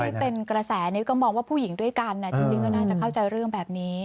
ที่เป็นกระแสนี้ก็มองว่าผู้หญิงด้วยกันจริงก็น่าจะเข้าใจเรื่องแบบนี้